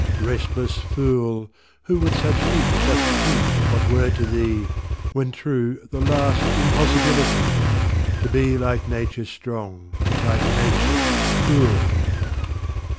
Restless fool, Who with such heat dost preach what were to thee, When true, the last impossibility To be like Nature strong, like Nature cool!